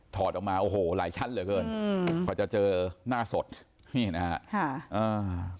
อดออกมาโอ้โหหลายชั้นเหลือเกินอืมกว่าจะเจอหน้าสดนี่นะฮะค่ะอ่า